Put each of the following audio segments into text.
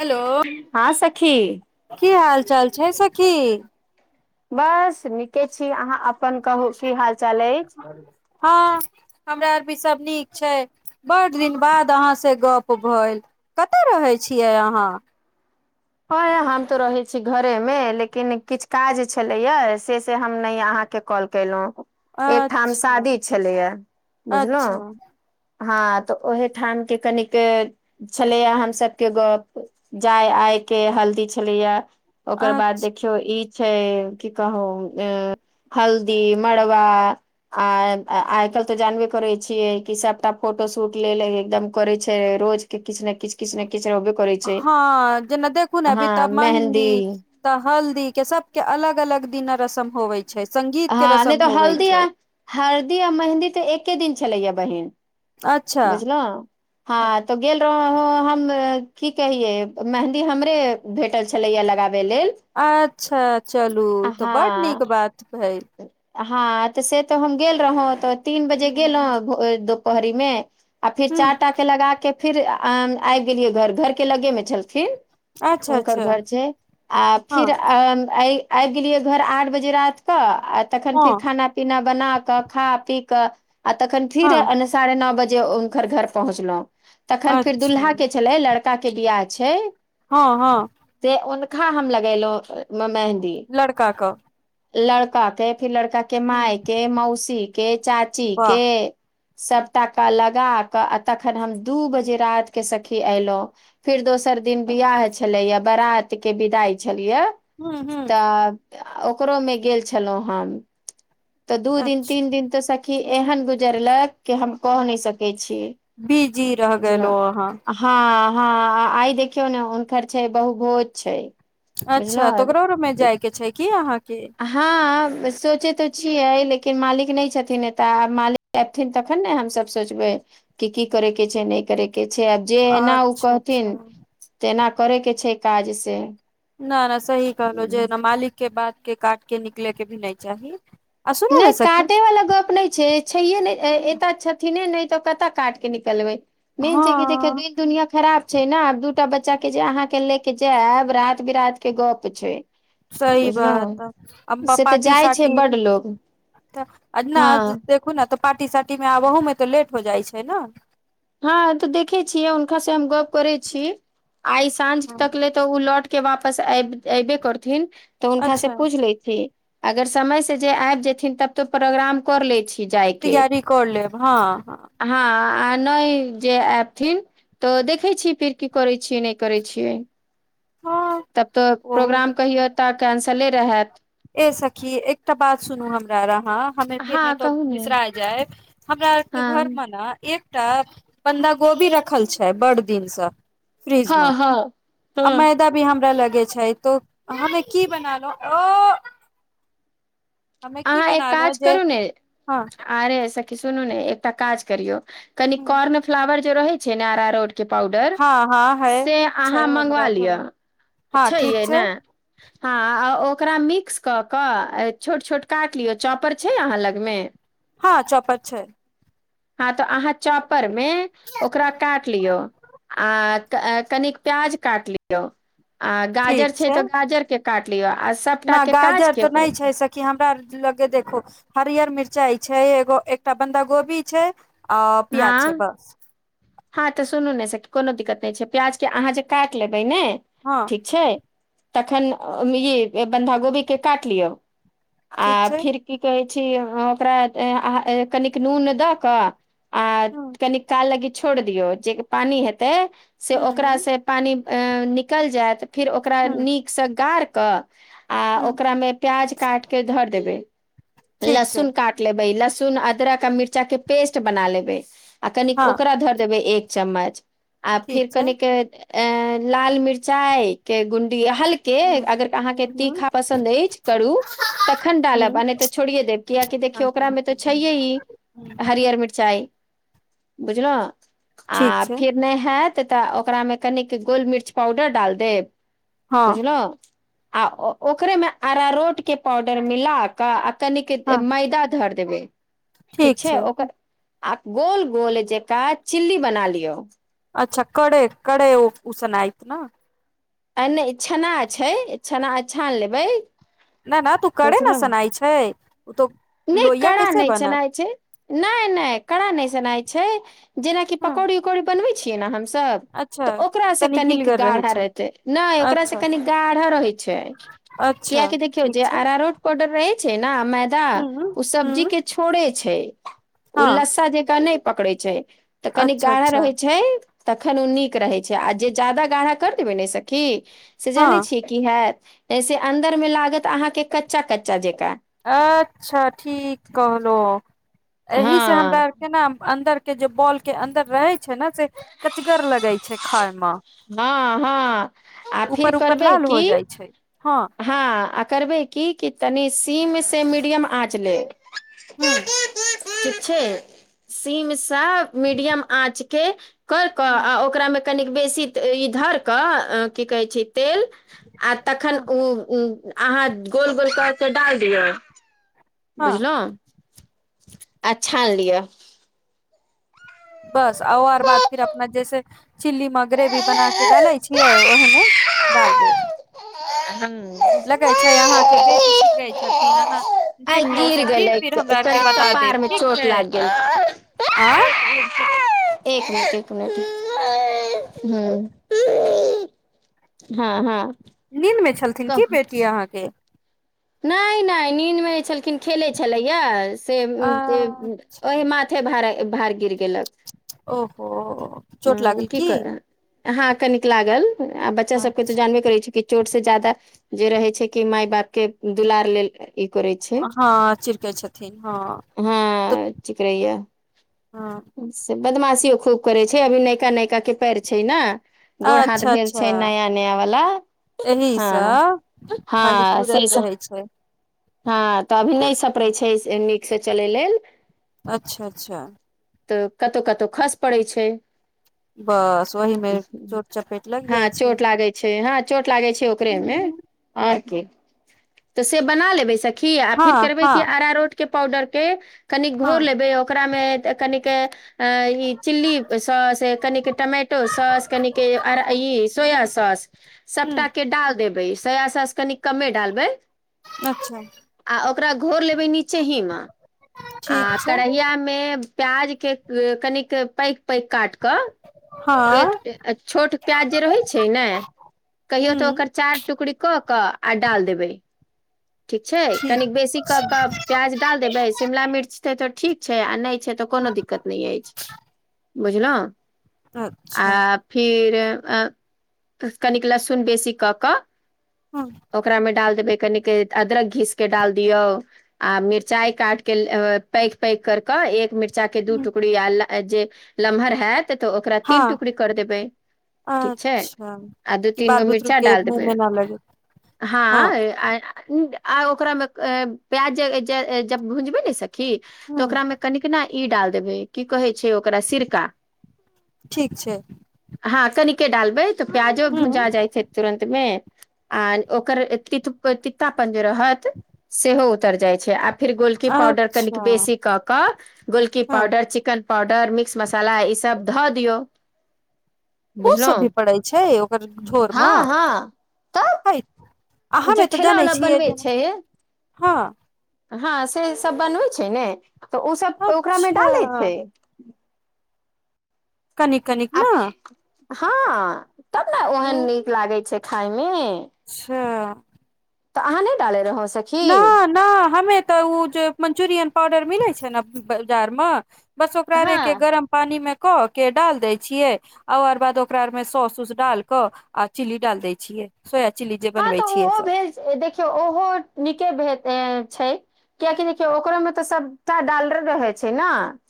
Hello हँ सखी। की हाल चाल छै। सखी। बस नीके छी अहाँ अपन। कहू की हाल चाल अछि। हँ हमरा आर भी सभ। नीक छै। बड दिन बाद अहाँसँ गप भेल कतय रहै छियै अहाँ। हँ हम तऽ रहै छी घोर में लेकिन किछु काज छलैया से से हम नहि अहाँके कॉल। केलहुँ एकठाम अच्छा शादी छलैया बुझलहुँ। अच्छा हँ तऽ ओहे ठाम के कनिक। छलेया हम सभ के गप जाय आइ। के हल्दी छलैया ओकर बाद अच्छा देखि। त ई छै। की कहू अ हल्दी, मड़वा। आ आइ काल्हि तऽ जानबे करै छियै कि सभटा। फोटो शूट लेल ल एकदम करैत छै। रोज। किछ ने किछ। किछ ने किछ रहबे करै छै हँ जेना देखू न हँ बिता मेहन्दी मेहंदी त हल्दी के सब के अलग अलग दिना रस्म होवे छै संगीत के हँ नै रस्म तऽ होवे हल्दी आ छै हरदी आ मेहन्दी तऽ एके दिन छलैया बहिन अच्छा बुझलहुँ हँ तो गेल रहों हम की कहिए मेहन्दी हमरे भेटल छलैए लगाबे लेल अच्छा चलू ई हँ तऽ बड नीक बात कहए हँ तऽ से तऽ हम गेल रहौ तऽ तीन बजे गेलौं भ द पहरी मे आ फिर ह चार टा के लगा के फिर आबि गेलियै घर घर के लगे मे छलखिन अच्छा हुनकर अच्छा घर छै आ हँ फिर आबि गेलियै घर आठ बजे रात - आ तखन फिर हँ खाना पीना बना क खा पी क आ तखन फिर हँ साढे न बजे उनकर घर पहुचलौ तखन फेर अच्छा दुल्हा के छलै लर ता के बिआह छै हँ हँ से हुनखा हम लगेलौं मेहन्दी लड़का कऽ लड़का के कि लड़का के ह माय के मौसी के चाची वाह के सबटाका लगा कऽ आ तखन हम दू बजे रातिके सखि अयलौं फेर दोसर दिन बियह छलैया बरात के विदाइ छलैया हूँ हूँ हँ ओकरो मे गेल छलउ हम त दू दिन अच्छा तीन दिन तऽ सखी एहन गुजरलक कि हम क नै सकै छीय बी जी रह गेलो अहाँ हँ हँ आइ देखियौ ने हुनकर छै बहुभोज छै अच्छा तऽ बुझलहु ओकरो रूम मे जाय के छै की अहाँके हँ सोचै त छियै लेकिन मालिक नै छथिन एतऽ आ मालिक अथिन तखन ने हमसब सोचबै कि की करैके छै नै करै के छै आ जेहना उ अच्छा अच्छा कहथिन तेना करय के छै काज से न न सही कहलौ जे मालिक के बात के काट के निकलेके भी नै चाही आ सुनू नै ने सखी काटै वाला गप नै छै छैये नै एतऽ छथिने नै तऽ कत काट के निकलबै मेन छै कि देखियौ हँ दिन दुनिया खराब छै न आब दूटा बच्चा के जे अहाँ के ले के जायब रात बिरात के गप छै सही बात बुझलहु अब से तऽ पाटी जाइ छै साटी बड लोग तऽ आ न हँ देखू न तऽ पार्टी सार्टीमे आब अहूमे तऽ लेट हो जाइत छै ने हँ तऽ देखे छियै हुनका से हम गप करै छी आइ साँझ हँ तक ले तऽ उ लौट के वापस एऐबे करथिन तऽ हुनका से अच्छा पूछ लैछी अगर समय से जे आबि जथिन तब त प्रोग्राम कर लै छी जायके तैयरी क लेब हँ हँ आ नै जे आऐबथिन तऽ देखे छीयै फिर की करै छीयै नै करै छियै हँ तब तऽ ओ प्रोग्राम कहियौ तऽ ऐंसले रहैत ए सखी एकटा बात सुनू हमरा आहाँ हमे हँ फिरने तो कहू ने बिसरा जाय हमरा आरके हँ घरमे ने एकटा बन्धा गोभी रखल छै बड़ दिन स फ्रीजमे हँ हँ हँ अमे- तभी हमरा लगे छै तो हमे की बनालहु ओ हमे की अहाँ एक बनालो काज जे करू ने हँ आरे सखी सुनू ने एकटा काज करियौ कनि कॉर्न फ्लावर जो रहै छै ने आरारोट के पाउडर हँ हँ है से छै अहाँ हमरा मंगवा आर लिअ घरमे हँ छै ठीक ये ने हाँ ओकरा मिक्स कऽ कऽ छोट छोट काट लियौ चॉपर छै अहाँ लगमे हाँ चौपर छै हाँ तऽ अहाँ चॉपरमे ओकरा काट लियो आ कनि प्याज काट लियो आ गाजर छै तऽ गाजर के काट लिअ आ सभटा ना के काज गाजर के तऽ नहि छै सखी कि हमरा लगे देखु हरियर मिरचाई छै एगो एकटा बन्धा गोभी छै अ प्याज छै बस हाँ तऽ सुनू ने कोनो दिक्कत नहि छै प्याजके अहाँ जे काटि लेबै ने हाँ ठीक छै तखन ई बन्धा गोभीके काट लिअ ठीक आ छै फेर की कहैत छी ओकरा कनिक नून दऽ कऽ आ ह कनि काल लागी छोड़ दियऔ जे पानी हेतै से ह ह ओकरा से पानि ऐं-निकल जायत फिर ओकरा ह नीकसँ गड़ कऽ आ ह ओकरामे प्याज काटके धरि देब ठीक छै लसुन काट लेबै लहसुन अदरक आ मिर्चाके पेस्ट बना लेबै आ कनी हँ ओकरा धर देबै एक चम्मच आ ठीक फिर छै कनिक ऐं-लाल मिर्चाई के गुंडी हल्क के ह अगर अहाँके ह तीखा पसन्द अछि करू तखन डालब आ नहि तऽ छोड़िये देब कियकि ह देखियौ ओकरामे तऽ छैहे ही हरिियर मिरचाइ बुझलों आ ठीक छै फिेर नहि हाएत तऽ ओकरा मे कनिक गोल मिर्च पाउडर डाल देब हँ बुझलहूँ आ ओकरेमे आरारोट के पाउडर मिला कऽ आ कनिक हँ मैदा धरि देबै ठीक छै ओकर आ गोल गोल जेका चिल्ली बना लियो अच्छा कड़ कड़ उशनाएत न आ नहि इ छना छै छना-छान लेबै न नहि तू करे न बुझलहुँ। सुनाय छै ओ तो नहि लोहिया कड़ा कैसे नहि बनत छनाय छै नहि नहि कड़ा नहि सुनाइ छै जेनाकि ह पकौड़ी उकौड़ी बनबै छियै ने हमसभ अच्छा तऽ ओकरास से तनी कनिक गिलगर रहै गाढ़ा छै रहतै नहि ओकरास से अच्छा कनि गाढ़ा रहै छै अच्छा कियाक देखियौ ठीक जे छै आरारोट कोर्डर रहे छै ने मैदा हूँ ओ सब्जी हूँ के छोड़े छै ओ हँ लस्सा जकाँ नहि पकड़े छै तऽ कनि अच्छा गाढ़ा अच्छा रहै छै तखन ओ नीक रहै छै आ जे ज्यादा गाढ़ा कर देबै ने सखी से जानै हँ छियै की हाएत से अन्दर मे लागत अहाँके कच्चा कच्चा जकाँ अच्छा ठीक कहलहूँ एहि से हमरा हँ केना अन्दर के जे बॉल के अन्दर रहे छै ने से कचगर लगै छै खाय ममें हँ हँ आ फिर ऊपर उऊपर। करबै लाल हो की जाइ छै। हँ हँ आ करबै की कि तनि सीम से मीडियम आँच लेब। हूँ ठीक छै। सीमसँ मीडियम। आँच के कर क हूँ आ ओकरामे। कनि बेसि डार कऽ कि कहय छै टेल तखन हँ ऊ ऊ। अहाँ गोल गोल डाल दिय हँ बुझलहुँ। और छण लिअ। बस आ आर बाद फिर अपना जैसे। चिली मगरे भी बना के डाले छियै ओहने। दस देब। हू। लगै छै। अहाँके। बेटी कै छथिन। अहाँ आइ देख लौ गिर सखी गेलै फिर हमरा आरके तरक बता पार देब मे ठीक चोट छै लाग गेल। आँय एक नट ह। हँ हँ। नीद में छलथिन। की बेटी अहाँके। ने ने नीन्दमे छलखिन खेलैछलैया। से ते ओहि अच्छा माय। भ भर गिर गेलक। ओहो चोट हूँ लागल की कि। कर हँ कनिक लागल आ बच्चा सभ के तऽ जानबे अच्छा करैत छी कि। चोट से ज्यादा जे रहे छै। कि माय बाप के दुलार लेल ई करै छै। हँ चिड़कै छथिन हँ अहाँ चीकरैया। हाँ। से बदमाशियो खूब करै छैय अभी नयका नयका के पैर छै न। गोर हाथ अच्छा भेल अच्छा छैय। नया नया वला। एहि हाँ सब खाली हाँ सही घूरत स। रहै छै हँ तऽ अभी नेय सपरै छै। से नीकसे चलेय लेल। अच्छा अच्छा। तऽ कतो कतो खस। पड़ै छैय। बस ओहि। में चोट चपेट लग जाय हँ छैय। चोट लागै छै। हाँ चोट लागै छै। ओकरेमें ओर की। तऽ से बना लेबै सखी आ फिर करबै कि हँ आरारोट। के पाउडर। के कनिक हँ घोर लेबै ओकरामे त त तनिक। अ ई चिल्ली सॉस कनिक टमाटो सॉस कनिके। अरा ई सोया सॉस। ह सभटा के डाल देबै सोया सॉस कनि कमे डालबै। अच्छा। आ ओकरा घोर लेबै। नीचे हीम आ ठीक छै करेहिया। में प्याज। के कनिक। पैग पैग काट कऽ हँ एक छोट प्याज। जे रहै छै। ने कहियो तऽ ह ओकर चार। टुकड़ी। कऽ के अ डाल देबै। ठीक छैय। ठीक कनीक बेसी क छै क प्याज डाल देबे शिमला मिर्च ते तो ठीक छै। आ ने छै। तऽ कोनो दिक्कत नेय ऐछ बुझलहो आ। अच्छा फिर ओर कनिक। लहसुन बेसी कऽ कऽ हांँ। ओकरा मे डाल देबै कनिक अदरक घीस। के डाल दियो। आ मिर्चाए। काट के अ पैग पैग कर क एक मिर्च। कुच्चा के दू टुकड़ी आल आजे लमहर। हेयत तऽ ओकरा तीन हँ टुकड़ी कर देबै। ठीक छैय अच्छा [inaudible] आ दू कि तीन बाल गो बुतरू मिर्चा के डाल मुँह देबै मे न लगे हाँ हँ आय आ ओकरामे क प्याज [unintelligible] जब भुजबै न सखी तऽ ह ओकरा में कनिक ना ई डाल देबै की कहै छै ओकरा सिरका ठीक छैय हाँ कनि केँ डालबै तऽ प्याजो ह भुजा जाय छै तुरन्त में [inaudible] आ ओकर तित तितापन जे रहत सेहो उतर जाइ छै आ फिर गोलकी पाउडर कनिक अच्छा बेसी कऽ क गोलकी हँ पाउडर चिकन पाउडर मिक्स मसाला ईसब धऽ दियौ ओ बुझलहुँ सब भी पड़ै छै ओकर झोर म हँ हँ तब [inaudible] हेय हमें जे तऽ ठेला जानै वाला छियै बनबै जे [inaudible] हँ हाँ से सब बनबै छैय ने तऽ उ सब ओकरामे अच्छा डालै छै कनी कनी आ फे हाँ तब न ओहन नीक लागे छै खाय में अच्छा तऽ अहाँ नै डालै रहौं सखी न न हमे तऽ उ जे मंचुरियन पाउडर मिले छै न बाजार म बस ओकरे हँ केँ गरम पानी में कऽ केँ डाल देय छियै आ ओर बाद ओकरा आर में सॉस उस डाल क आ चिली डाल दै छियै सोया चिली जे हँ बनबै तऽ छियै ओहो सब। देखियौ उहो नीके भेद ऐं छैय किया कि देखियों ओकरा में तऽ सबटा डालल रहे छै न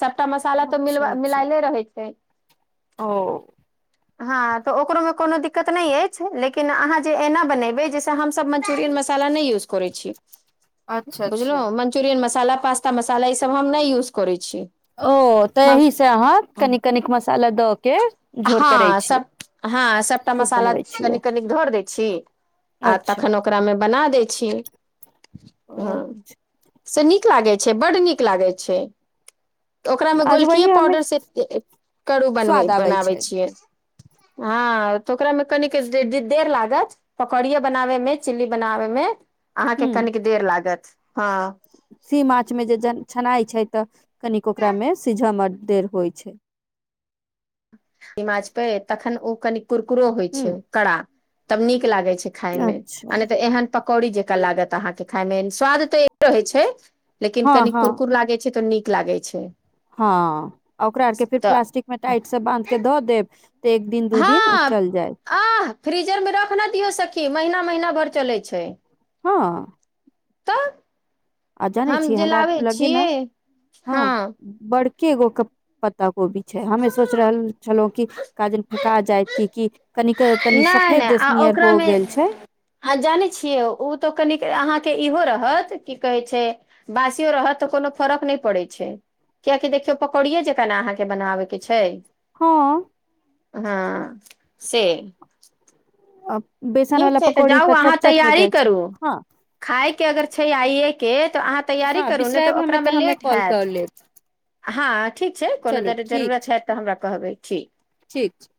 सबटा मसाला तऽ अच्छा मिलबा अच्छा मिलायले रहै छै। ओ हँ तऽ ओकरोमे कोनो दिक्कत नै ऐछ लेकिन अहाँ जे एना बनेबै जाहिसँ हम। सब मंचुररियन मसाला नै यूज करे छी [unintelligible] अच्छा बुझलहुँ मंचुरियन मसाला पास्ता मसाला ईसभ हम नै यूज करै छी। ओ हम तएहि सँ अहाँ कनिक कनिक मसाला दऽ केँ हँ सभ हँ सभटा सूप मसाला बनबै छियै कनिक कनिक घोर दै छी। आ अच्छा तखन ओकरामे बना दै छी [inaudible] हँ। से नीक लागै छै बड नीक लागैत छै। त ओकरा में आज गोलकीए वही हमे पाउडर से [unintelligible] करू बनबे। स्वाद आबै छै यै [inaudible] हँ तऽ ओकरा मे कनि दे देर लागत पकौड़िये बनाबे में चिली बनाबे में अहाँकेँ हूँ कनिक देर लागत हँ सेम आँच मे जे छनाइ छै तऽ कनिक ओकरा में सिझ में देर होइ छै इ माच पे तखन ओ कनि कुरकुरो होइ हूँ छै कड़ा तब नीक लागे छै। खायमे आ अच्छा नै तऽ एहन पकौड़ी जेका लागत अहाँकेँ खाय में स्वाद तऽ रहै छै। लेकिन हँ कनि हँ कुरकुर लागै छै तऽ नीक लागै छै। हँ ओकरा आर केँ फिर तऽ प्लास्टिक में टाइट से बांध केँ दऽ देब। ते एक दिन दू दिन उऽ हँ चल जाइत आह फ्रीजर म रख न दियौ सखी महीना महीना भर चलै छै। हँ तऽ आ जानै हम छियै जे हमरा लाबै लगे ना छियै [inaudible] हँ बड़केगो। पता कोभी छै हमे सोच रहल छलै कि काजन फेका जाइत कऽ कि। कनीक तनी नहि सफेद देशनिय हो गेल छै। हँ जानै छियै ओ तऽ कनि अहाँकेँ इहो रहत की कहै छै। बासियो रहत त कोनो फरक नहि पड़ैत छै। कियाकि देखियौ पकौड़िये जे केना अहाँकेँ बनाबे के छै। ह ह से अ बेसन ठीक वाला छै पकौड़ी जाउ तऽ चट अहाँ चट हो तैयारी जाइ छै करू ह खायके अगर छै आइए के तऽ अहाँ तैयारी हँ करू नहि बिसरायब तऽ हमे ओकरामे हमे लेट कॉल कर हयत। लेब ह ठीक छै कोनो चलू दर जरूुरत हयत तऽ हमरा कहबै ठीक। ठीक छै।